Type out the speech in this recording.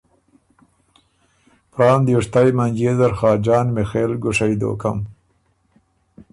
پران دیوشتئ منجيې زر خاجان میخېل ګُوشئ دوکم۔